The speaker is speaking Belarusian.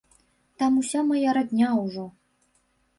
Там уся мая радня ўжо.